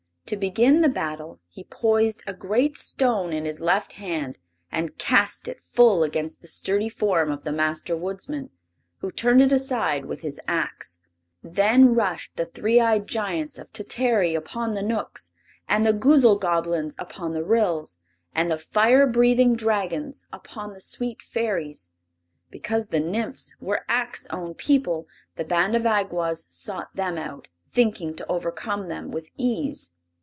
To begin the battle he poised a great stone in his left hand and cast it full against the sturdy form of the Master Woodsman, who turned it aside with his ax. Then rushed the three eyed Giants of Tatary upon the Knooks, and the Goozzle Goblins upon the Ryls, and the firebreathing Dragons upon the sweet Fairies. Because the Nymphs were Ak's own people the band of Awgwas sought them out, thinking to overcome them with ease.